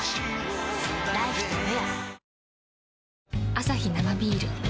アサヒ生ビール